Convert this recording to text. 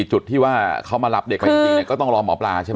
จุดที่ว่าเขามารับเด็กมาจริงก็ต้องรอหมอปลาใช่ไหม